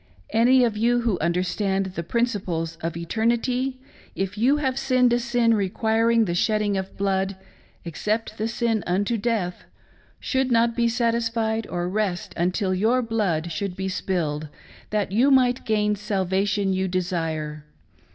'" Any of you who understand the principles of eternity, if you have sinned a sin requiring the shedding of blood, except the sin unto death, should not be satisfied or rest until your blood should be spilled, that you might gain that salvation you desire.